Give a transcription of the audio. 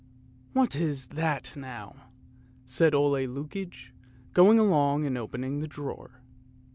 " What is that now? " said Ole Lukoie, going along and opening the drawer.